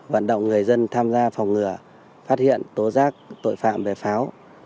vận động người dân tham gia phòng ngừa phát hiện tố giác tội phạm về pháo